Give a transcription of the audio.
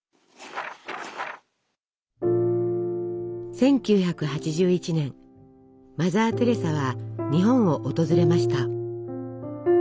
１９８１年マザー・テレサは日本を訪れました。